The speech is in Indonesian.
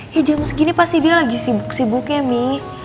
ya jam segini pasti dia lagi sibuk sibuknya nih